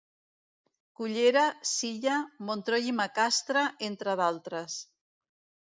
Cullera, Silla, Montroi i Macastre, entre d'altres.